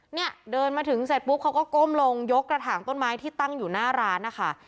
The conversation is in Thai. เนี่ยเดินมาถึงเสร็จปุ๊บเขาก็ก้มลงยกกระถางต้นไม้ที่ตั้งอยู่หน้าร้านนะคะ